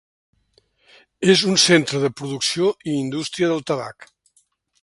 És centre de producció i indústria del tabac.